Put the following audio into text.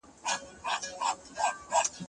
دا سفر له هغه اسانه دی،